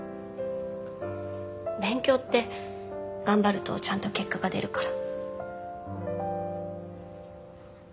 勉強って頑張るとちゃんと結果が出るから。